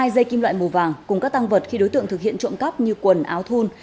hai dây kim loại màu vàng cùng các tăng vật khi đối tượng thực hiện trộm cắp như quần áo thun